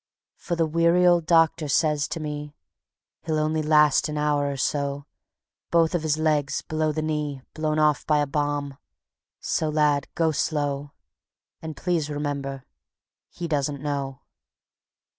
For the weary old doctor says to me: "He'll only last for an hour or so. Both of his legs below the knee Blown off by a bomb. ... So, lad, go slow, And please remember, he doesn't know."